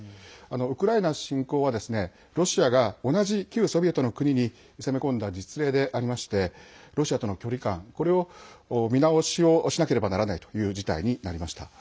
ウクライナ侵攻はロシアが同じ旧ソビエトの国に攻め込んだ実例でありましてロシアとの距離感これを見直しをしなければならないという事態になりました。